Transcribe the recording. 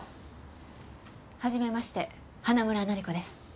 初めまして花村乃里子です。